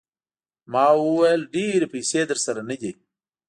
ما وویل ډېرې پیسې درسره نه دي.